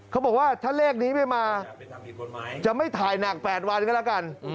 เขาบอกว่าถ้าเลขนี้ไม่มาจะไม่ถ่ายหนัก๘วันก็แล้วกัน